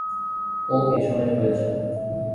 ও পেছনেই রয়েছে।